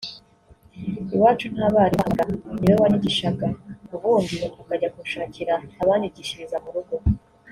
Iwacu nta barimu bahabaga ni we wanyigishaga ubundi akajya kunshakira abanyigishiriza mu rugo